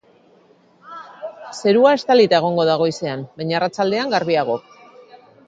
Zerua estalita egongo da goizean, baina arratsaldean, garbiago.